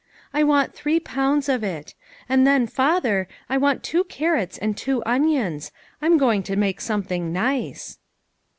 " I want three pounds of it. And then, father, I want two carrots and two onions ; I'm going to make something nice."